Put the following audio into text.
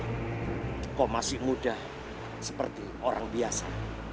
tapi kau masih muda seperti orang biasa